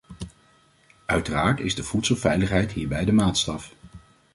Uiteraard is voedselveiligheid hierbij de maatstaf.